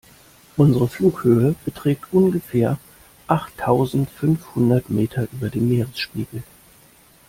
Unsere Flughöhe beträgt ungefähr achttausendfünfhundert Meter über dem Meeresspiegel.